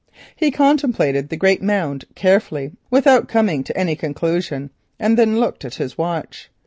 He contemplated the great mound carefully without coming to any conclusion, and then looked at his watch.